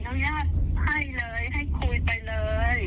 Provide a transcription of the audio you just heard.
อนุญาตให้เลยให้คุยไปเลย